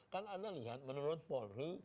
kan anda lihat menurut polri